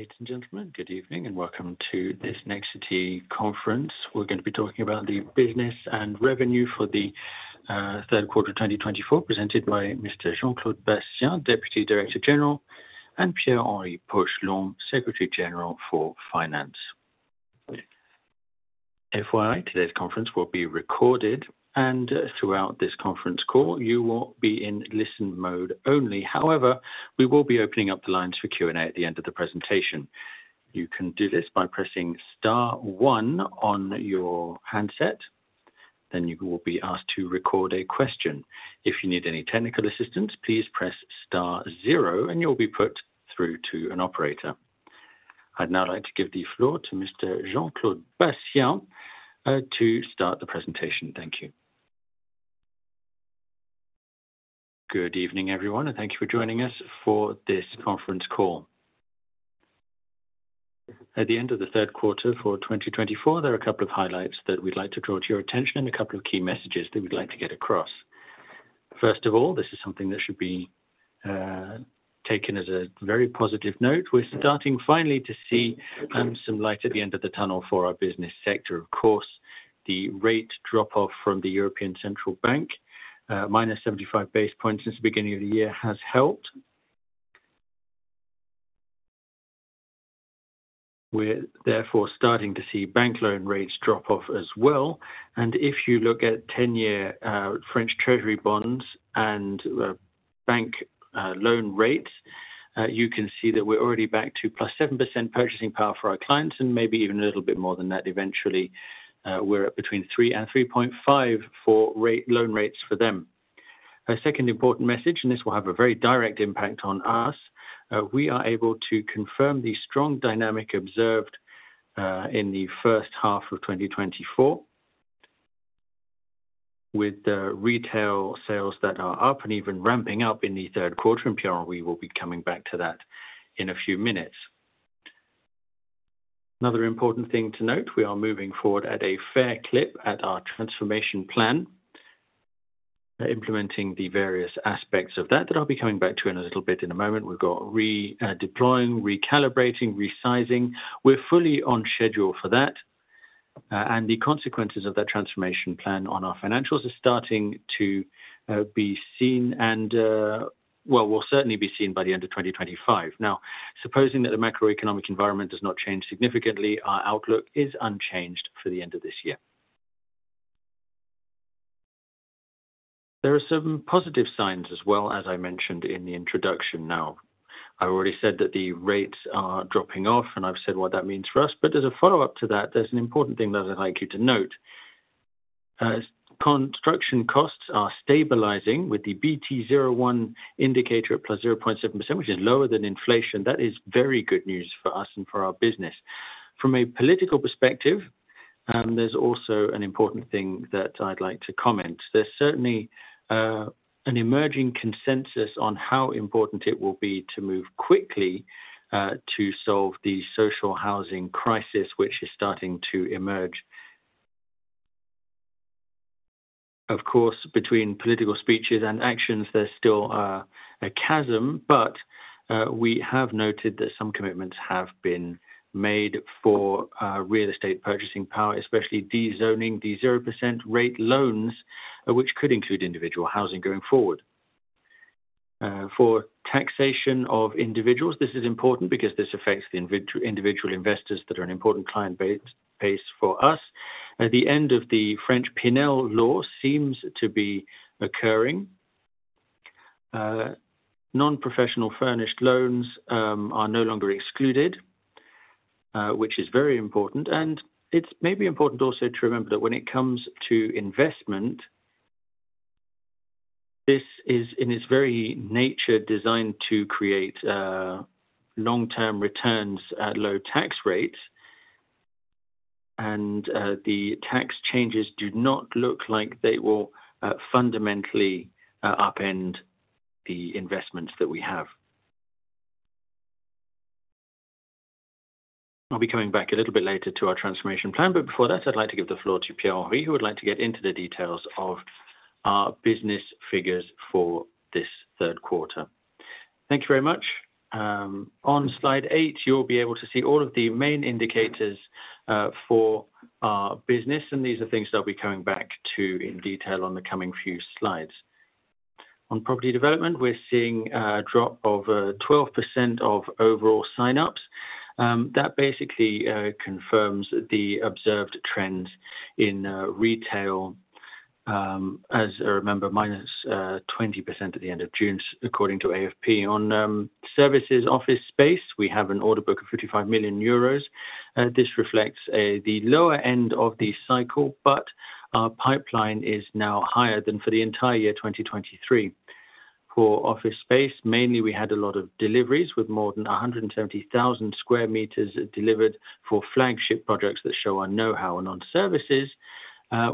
Ladies and gentlemen, good evening, and welcome to this Nexity conference. We're gonna be talking about the business and revenue for the third quarter of twenty twenty-four, presented by Mr. Jean-Claude Bassien, Deputy Director General, and Pierre-Henri Poualon, Secretary General for Finance. FYI, today's conference will be recorded, and throughout this conference call, you will be in listen mode only. However, we will be opening up the lines for Q&A at the end of the presentation. You can do this by pressing star one on your handset, then you will be asked to record a question. If you need any technical assistance, please press star zero, and you'll be put through to an operator. I'd now like to give the floor to Mr. Jean-Claude Bassien to start the presentation. Thank you. Good evening, everyone, and thank you for joining us for this conference call. At the end of the third quarter for 2024, there are a couple of highlights that we'd like to draw to your attention and a couple of key messages that we'd like to get across. First of all, this is something that should be taken as a very positive note. We're starting finally to see some light at the end of the tunnel for our business sector. Of course, the rate drop-off from the European Central Bank, minus 75 basis points since the beginning of the year, has helped. We're therefore starting to see bank loan rates drop off as well, and if you look at 10-year French treasury bonds and bank loan rates, you can see that we're already back to plus 7% purchasing power for our clients and maybe even a little bit more than that eventually. We're at between three and three point five for rate loan rates for them. A second important message, and this will have a very direct impact on us, we are able to confirm the strong dynamic observed, in the first half of twenty twenty-four, with the retail sales that are up and even ramping up in the third quarter, and Pierre-Henri will be coming back to that in a few minutes. Another important thing to note, we are moving forward at a fair clip at our transformation plan, implementing the various aspects of that, that I'll be coming back to in a little bit in a moment. We've got deploying, recalibrating, resizing. We're fully on schedule for that, and the consequences of that transformation plan on our financials are starting to be seen and will certainly be seen by the end of 2025. Now, supposing that the macroeconomic environment does not change significantly, our outlook is unchanged for the end of this year. There are some positive signs as well, as I mentioned in the introduction. Now, I've already said that the rates are dropping off, and I've said what that means for us, but as a follow-up to that, there's an important thing that I'd like you to note. As construction costs are stabilizing with the BT01 indicator at +0.7%, which is lower than inflation, that is very good news for us and for our business. From a political perspective, there's also an important thing that I'd like to comment. There's certainly an emerging consensus on how important it will be to move quickly to solve the social housing crisis, which is starting to emerge. Of course, between political speeches and actions, there's still a chasm, but we have noted that some commitments have been made for real estate purchasing power, especially de-zoning the zero% rate loans, which could include individual housing going forward. For taxation of individuals, this is important because this affects the individual investors that are an important client base for us. At the end of the French Pinel law seems to be occurring. Non-professional furnished rentals are no longer excluded, which is very important, and it's maybe important also to remember that when it comes to investment, this is in its very nature designed to create long-term returns at low tax rates, and the tax changes do not look like they will fundamentally upend the investments that we have. I'll be coming back a little bit later to our transformation plan, but before that, I'd like to give the floor to Pierre-Henri, who would like to get into the details of our business figures for this third quarter. Thank you very much. On Slide eight, you'll be able to see all of the main indicators for our business, and these are things I'll be coming back to in detail on the coming few slides. On property development, we're seeing a drop of 12% of overall signups. That basically confirms the observed trends in retail, as I remember, minus 20% at the end of June, according to AFP. On services office space, we have an order book of 55 million euros. This reflects the lower end of the cycle, but our pipeline is now higher than for the entire year, 2023. For office space, mainly, we had a lot of deliveries, with more than 170,000 square meters delivered for flagship projects that show our know-how and on services.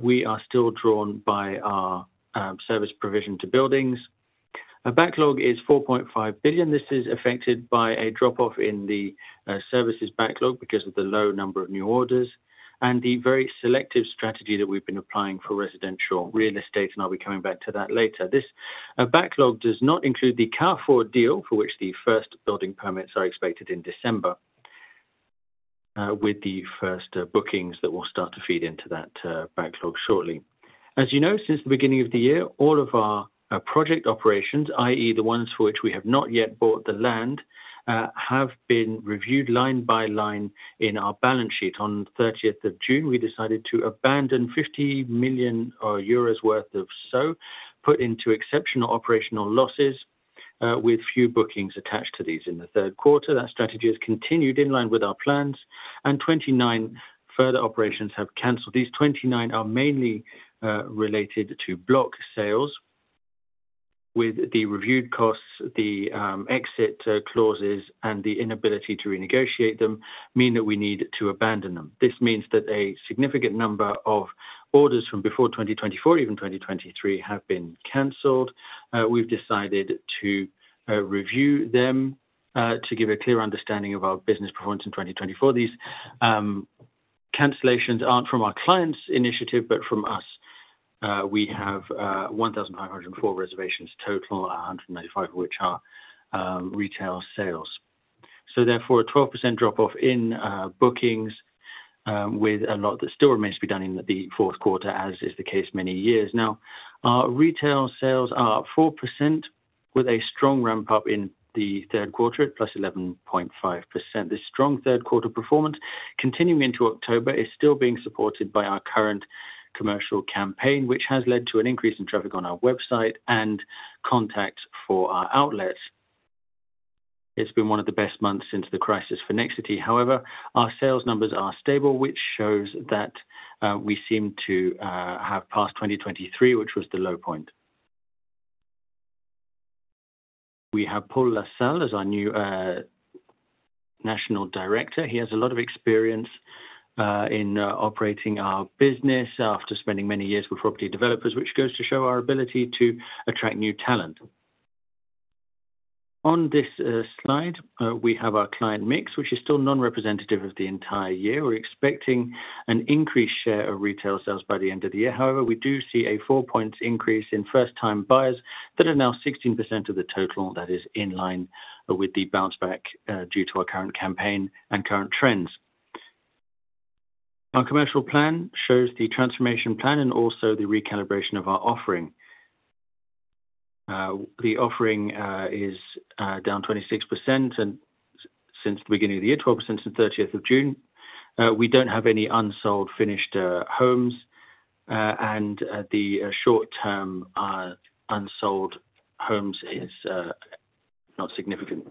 We are still drawn by our service provision to buildings. Our backlog is 4.5 billion. This is affected by a drop-off in the services backlog because of the low number of new orders. and the very selective strategy that we've been applying for residential real estate, and I'll be coming back to that later. This backlog does not include the Carrefour deal, for which the first building permits are expected in December, with the first bookings that will start to feed into that backlog shortly. As you know, since the beginning of the year, all of our project operations, i.e., the ones for which we have not yet bought the land, have been reviewed line by line in our balance sheet. On 30th of June, we decided to abandon 50 million euros worth of stock, put into exceptional operational losses, with few bookings attached to these. In the third quarter, that strategy has continued in line with our plans, and 29 further operations have canceled. These 29 are mainly related to block sales with the reviewed costs, the exit clauses, and the inability to renegotiate them mean that we need to abandon them. This means that a significant number of orders from before 2024, even 2023, have been canceled. We've decided to review them to give a clear understanding of our business performance in 2024. These cancellations aren't from our clients' initiative, but from us. We have 1,504 reservations total, 195 of which are retail sales. So therefore, a 12% drop-off in bookings with a lot that still remains to be done in the fourth quarter, as is the case many years. Now, our retail sales are up 4% with a strong ramp-up in the third quarter, at +11.5%. This strong third quarter performance, continuing into October, is still being supported by our current commercial campaign, which has led to an increase in traffic on our website and contacts for our outlets. It's been one of the best months since the crisis for Nexity. However, our sales numbers are stable, which shows that we seem to have passed 2023, which was the low point. We have Paul Lassalle as our new national director. He has a lot of experience in operating our business after spending many years with property developers, which goes to show our ability to attract new talent. On this slide, we have our client mix, which is still non-representative of the entire year. We're expecting an increased share of retail sales by the end of the year. However, we do see a four-point increase in first-time buyers that are now 16% of the total. That is in line with the bounce back due to our current campaign and current trends. Our commercial plan shows the transformation plan and also the recalibration of our offering. The offering is down 26%, and since the beginning of the year, 12% since thirtieth of June. We don't have any unsold finished homes, and the short-term unsold homes is not significant.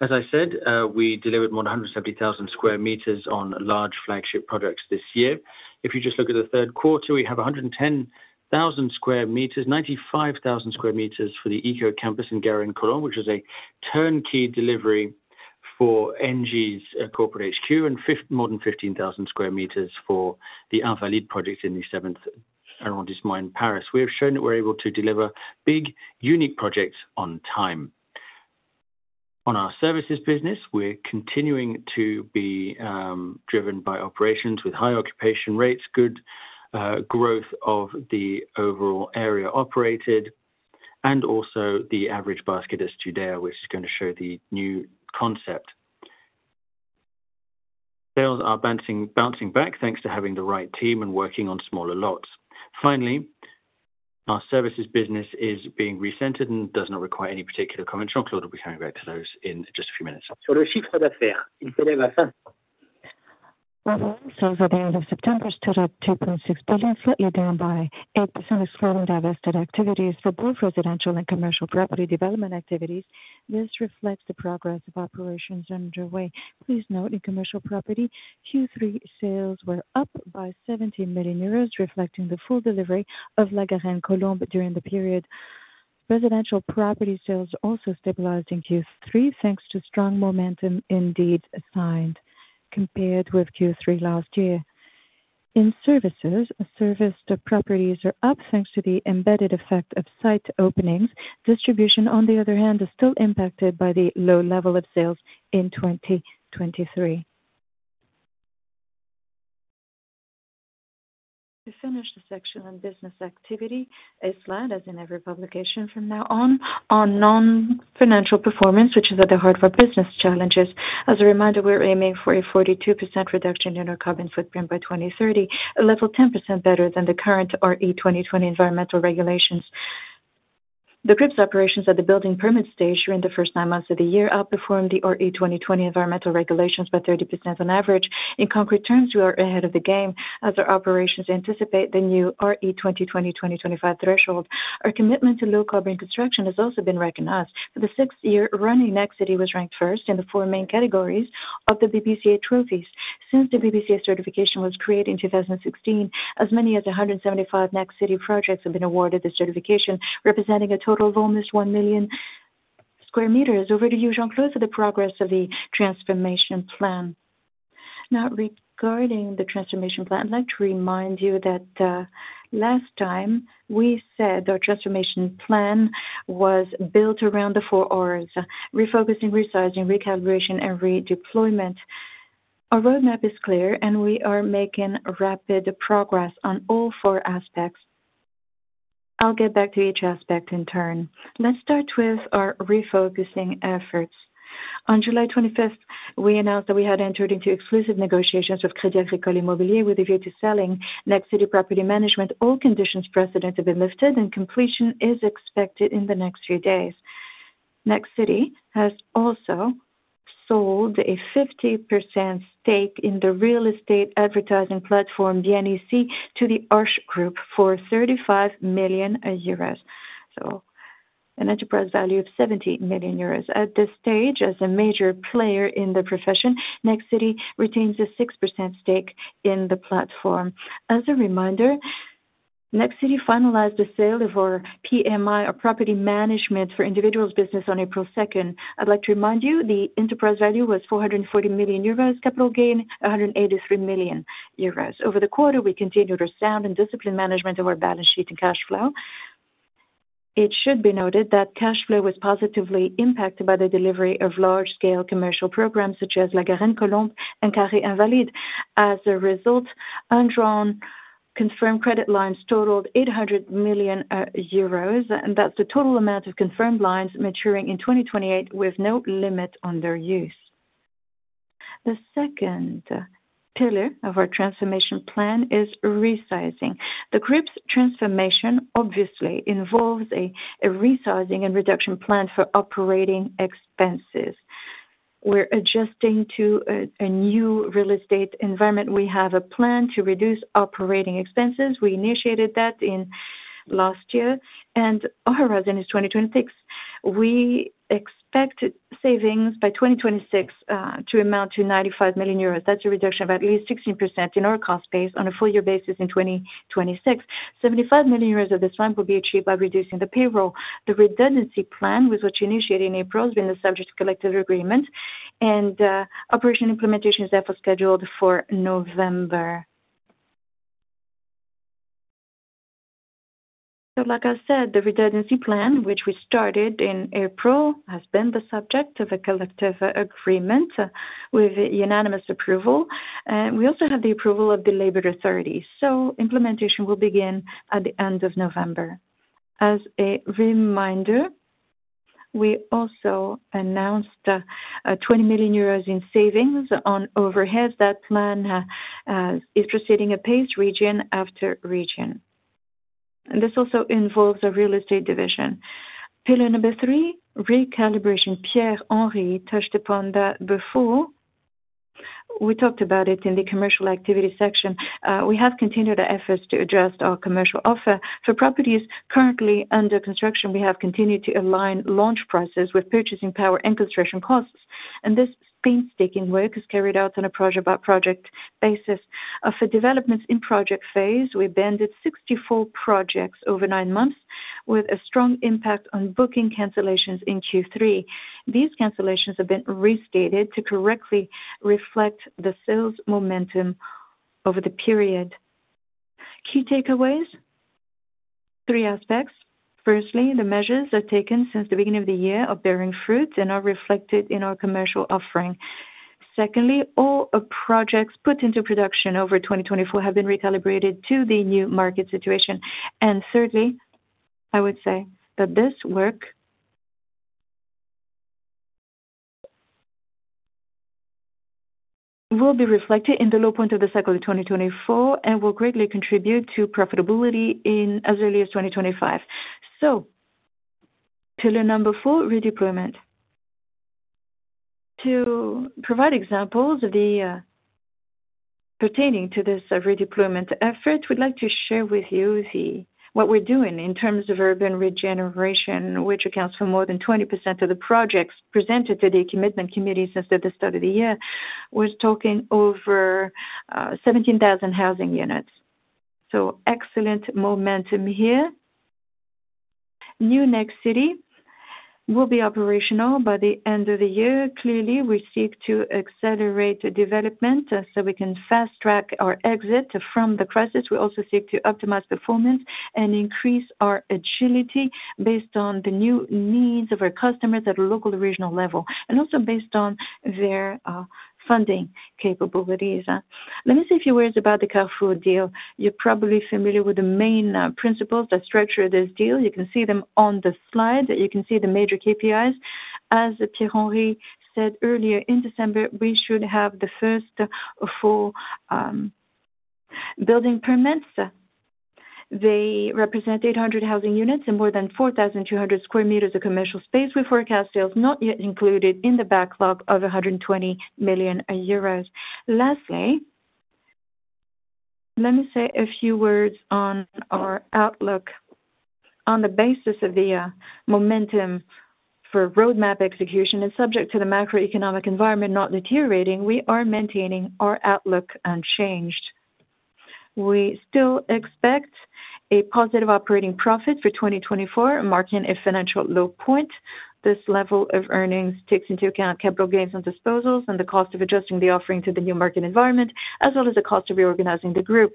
As I said, we delivered 170,000 square meters on large flagship products this year. If you just look at the third quarter, we have 110,000 square meters, 95,000 square meters for the EcoCampus in La Garenne-Colombes, which is a turnkey delivery for Engie's corporate HQ, and more than 15,000 square meters for the Carré Invalides project in the seventh arrondissement in Paris. We have shown that we're able to deliver big, unique projects on time. On our services business, we're continuing to be driven by operations with high occupation rates, good growth of the overall area operated, and also the average basket is today, which is gonna show the new concept. Sales are bouncing, bouncing back, thanks to having the right team and working on smaller lots. Finally, our services business is being recentered and does not require any particular commercial upload. We'll be coming back to those in just a few minutes. So for the end of September, stood at 2.6 billion EUR, slightly down by 8% excluding divested activities for both residential and commercial property development activities. This reflects the progress of operations underway. Please note, in commercial property, Q3 sales were up by 70 million euros, reflecting the full delivery of La Garenne-Colombes during the period. Residential property sales also stabilized in Q3, thanks to strong momentum indeed assigned compared with Q3 last year. In services, serviced properties are up thanks to the embedded effect of site openings. Distribution, on the other hand, is still impacted by the low level of sales in 2023. To finish the section on business activity, a slide, as in every publication from now on, on non-financial performance, which is at the heart of our business challenges. As a reminder, we're aiming for a 42% reduction in our carbon footprint by 2030, a level 10% better than the current RE2020 environmental regulations. The group's operations at the building permit stage during the first nine months of the year outperformed the RE2020 environmental regulations by 30% on average. In concrete terms, we are ahead of the game as our operations anticipate the new RE2020-2025 threshold. Our commitment to low carbon construction has also been recognized. For the sixth year running, Nexity was ranked first in the four main categories of the BBCA trophies. Since the BBCA certification was created in 2016, as many as 175 Nexity projects have been awarded the certification, representing a total of almost 1 million square meters. Over to you, Jean-Claude, for the progress of the transformation plan. Now, regarding the transformation plan, I'd like to remind you that last time we said our transformation plan was built around the four Rs: refocusing, resizing, recalibration, and redeployment. Our roadmap is clear, and we are making rapid progress on all four aspects. ... I'll get back to each aspect in turn. Let's start with our refocusing efforts. On July twenty-fifth, we announced that we had entered into exclusive negotiations with Crédit Agricole Immobilier with regard to selling Nexity Property Management. All conditions precedent have been lifted, and completion is expected in the next few days. Nexity has also sold a 50% stake in the real estate advertising platform, Bien'ici, to Arche for 35 million euros, so an enterprise value of 70 million euros. At this stage, as a major player in the profession, Nexity retains a 6% stake in the platform. As a reminder, Nexity finalized the sale of our PMI or Property Management for Individuals business on April second. I'd like to remind you, the enterprise value was 440 million euros. Capital gain, 183 million euros. Over the quarter, we continued our sound and disciplined management of our balance sheet and cash flow. It should be noted that cash flow was positively impacted by the delivery of large-scale commercial programs such as La Garenne-Colombes and Carré Invalides. As a result, undrawn confirmed credit lines totaled 800 million euros, and that's the total amount of confirmed lines maturing in 2028, with no limit on their use. The second pillar of our transformation plan is resizing. The group's transformation obviously involves a resizing and reduction plan for operating expenses. We're adjusting to a new real estate environment. We have a plan to reduce operating expenses. We initiated that in last year, and our horizon is 2026. We expect savings by 2026 to amount to 95 million euros. That's a reduction of at least 16% in our cost base on a full-year basis in 2026. 75 million euros of this amount will be achieved by reducing the payroll. The redundancy plan, which we initiated in April, has been the subject of collective agreement, and operation implementation is therefore scheduled for November. So like I said, the redundancy plan, which we started in April, has been the subject of a collective agreement with unanimous approval, and we also have the approval of the labor authorities, so implementation will begin at the end of November. As a reminder, we also announced twenty million euros in savings on overhead. That plan is proceeding apace, region after region, and this also involves a real estate division. Pillar number three, recalibration. Pierre-Henri touched upon that before. We talked about it in the commercial activity section. We have continued our efforts to adjust our commercial offer. For properties currently under construction, we have continued to align launch prices with purchasing power and construction costs, and this painstaking work is carried out on a project-by-project basis. For developments in project phase, we benched sixty-four projects over nine months, with a strong impact on booking cancellations in Q3. These cancellations have been restated to correctly reflect the sales momentum over the period. Key takeaways, three aspects. Firstly, the measures are taken since the beginning of the year are bearing fruit and are reflected in our commercial offering. Secondly, all projects put into production over twenty twenty-four have been recalibrated to the new market situation. Thirdly, I would say that this work will be reflected in the low point of the cycle of 2024 and will greatly contribute to profitability in as early as 2025. Pillar number four, redeployment. To provide examples of the pertaining to this redeployment effort, we'd like to share with you the what we're doing in terms of urban regeneration, which accounts for more than 20% of the projects presented to the commitment committee since the start of the year. We're talking over 17,000 housing units, so excellent momentum here. New Nexity will be operational by the end of the year. Clearly, we seek to accelerate the development so we can fast-track our exit from the crisis. We also seek to optimize performance and increase our agility based on the new needs of our customers at a local, regional level, and also based on their funding capabilities. Let me say a few words about the Carrefour deal. You're probably familiar with the main principles that structure this deal. You can see them on the slide, and you can see the major KPIs. As Pierre-Henri said earlier, in December, we should have the first full building permits. They represent 800 housing units and more than 4,200 square meters of commercial space, with forecast sales not yet included in the backlog of 120 million euros. Lastly, let me say a few words on our outlook. On the basis of the momentum for roadmap execution and subject to the macroeconomic environment not deteriorating, we are maintaining our outlook unchanged. We still expect a positive operating profit for 2024, marking a financial low point. This level of earnings takes into account capital gains and disposals and the cost of adjusting the offering to the new market environment, as well as the cost of reorganizing the group.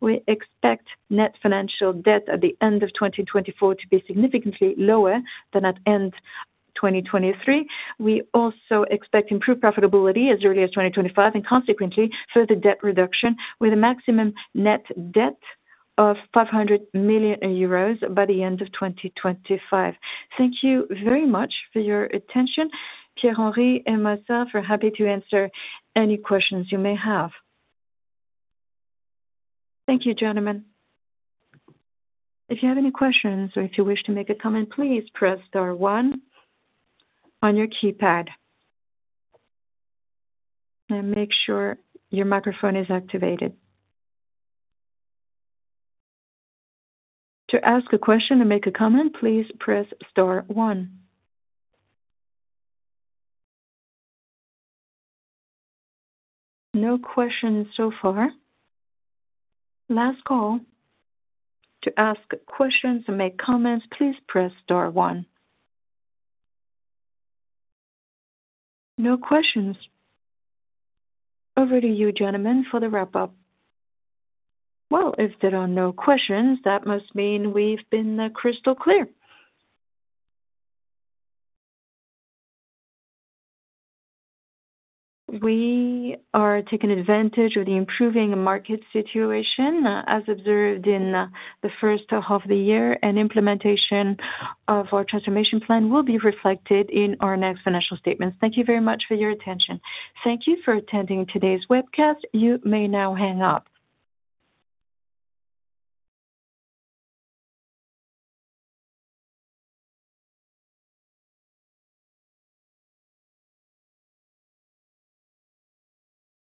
We expect net financial debt at the end of 2024 to be significantly lower than at end 2023. We also expect improved profitability as early as 2025, and consequently, further debt reduction, with a maximum net debt of 500 million euros by the end of 2025. Thank you very much for your attention. Pierre-Henri and myself are happy to answer any questions you may have. Thank you, gentlemen. If you have any questions or if you wish to make a comment, please press star one on your keypad and make sure your microphone is activated. To ask a question and make a comment, please press star one. No questions so far. Last call, to ask questions and make comments, please press star one. No questions. Over to you, gentlemen, for the wrap-up. If there are no questions, that must mean we've been crystal clear. We are taking advantage of the improving market situation as observed in the first half of the year, and implementation of our transformation plan will be reflected in our next financial statements. Thank you very much for your attention. Thank you for attending today's webcast. You may now hang up.